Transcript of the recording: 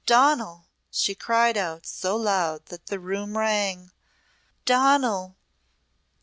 "Donal!" she cried out so loud that the room rang. "Donal!